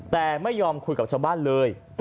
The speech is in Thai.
แต่ไม่ยอมคุยกับชาวบ้านเลย